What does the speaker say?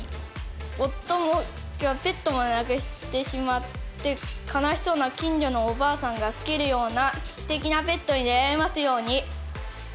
夫もペットも亡くしてしまって悲しそうな近所のおばあさんが好けるようなすてきなペットに出会えますように。